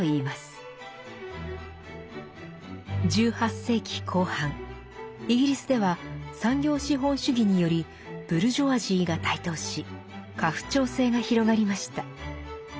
１８世紀後半イギリスでは産業資本主義によりブルジョワジーが台頭し家父長制が広がりました。